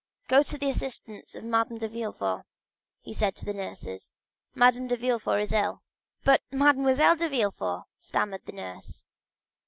"Go to the assistance of Madame de Villefort," he said to the nurse. "Madame de Villefort is ill." 50087m "But Mademoiselle de Villefort——" stammered the nurse.